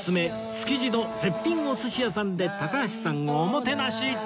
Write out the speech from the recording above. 築地の絶品お寿司屋さんで高橋さんをおもてなし！